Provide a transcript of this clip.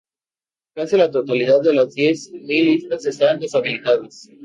Casi la totalidad de las Diez Mil Islas están deshabitadas.